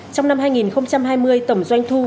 trong năm hai nghìn hai mươi tổng doanh thu